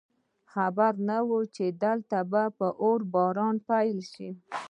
خبر نه وو چې دلته به د اور باران پیل شي